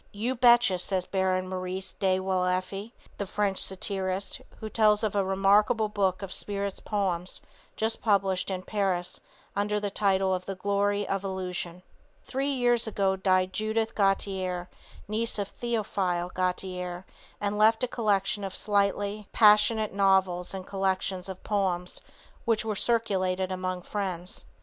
You betcha, says Baron Maurice de Waleffe, the French satirist, who tells of a remarkable book of spirits' poems just published in Paris under the title of "The Glory of Illusion." Three years ago died Judith Gautier, niece of Theophile Gautier, and left a collection of slightly er passionate novels and collections of poems which were circulated among friends.